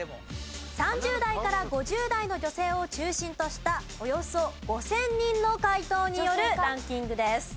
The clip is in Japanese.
３０代から５０代の女性を中心としたおよそ５０００人の回答によるランキングです。